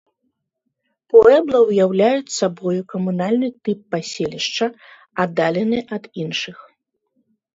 Пуэбла ўяўляюць сабою камунальны тып паселішча, аддалены ад іншых.